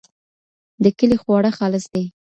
د کلي خواړه خالص دي.